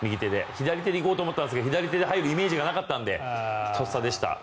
左手で行こうと思ったんですが左手で入るイメージがなかったので、とっさでした。